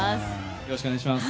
よろしくお願いします。